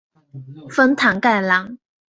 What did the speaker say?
丰坦盖兰。